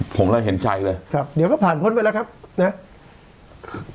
ผมเลยเห็นใจเลยครับเดี๋ยวก็ผ่านพ้นไปแล้วครับนะครับ